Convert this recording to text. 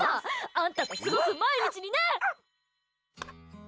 あんたと過ごす毎日にね。